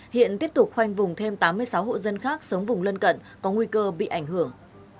hiện tiếp tục khoanh vùng thêm tám mươi sáu hộ dân khác sống vùng lân cận có nguy cơ bị ảnh hưởng